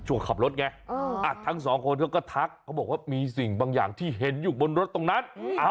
ว่าเจออะไรแปลกอย่าไปทัก